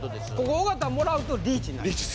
尾形もらうとリーチになります